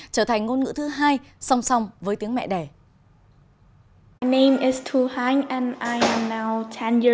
trở thành ngôn ngữ thứ hai song song với tiếng mẹ đẻ